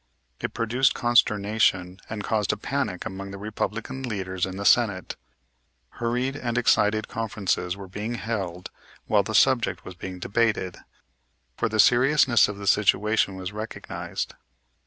It produced consternation and caused a panic among the Republican leaders in the Senate. Hurried and excited conferences were being held while the subject was being debated. For the seriousness of the situation was recognized.